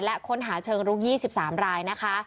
และค้นหาเชิงรุก๒๓รายนะคะ